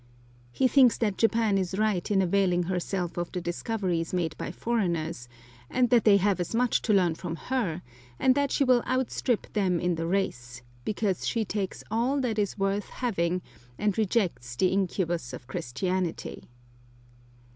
He thinks that Japan is right in availing herself of the discoveries made by foreigners, that they have as much to learn from her, and that she will outstrip them in the race, because she takes all that is worth having, and rejects the incubus of Christianity.